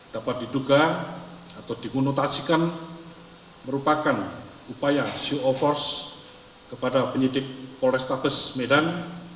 dapat diduga atau dimunotasikan merupakan upaya show of force kepada penyelidik pololesta pesemidang